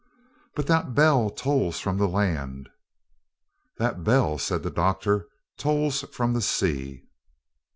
"But that bell tolls from the land." "That bell," said the doctor, "tolls from the sea."